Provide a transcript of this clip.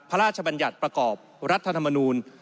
พระราชบัญญัติประกอบรัฐธรรมนูล